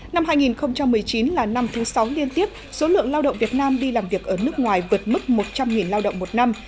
năm hai nghìn một mươi chín là năm thứ sáu liên tiếp số lượng lao động việt nam đi làm việc ở nước ngoài vượt mức một trăm linh lao động một năm